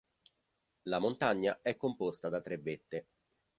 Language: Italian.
La montagna è composta da tre vette.